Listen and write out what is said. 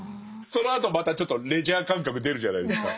そのあとまたちょっとレジャー感覚出るじゃないですか。